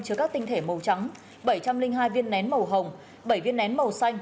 chứa các tinh thể màu trắng bảy trăm linh hai viên nén màu hồng bảy viên nén màu xanh